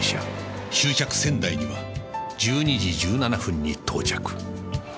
終着仙台には１２時１７分に到着